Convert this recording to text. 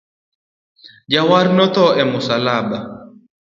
Jawar no tho e musalaba